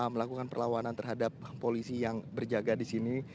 melakukan perlawanan terhadap polisi yang berjaga di sini